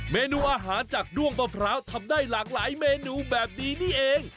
เมนูอาหารจากด้วงมะพร้าวทำได้หลากหลายเมนูแบบนี้นี่เอง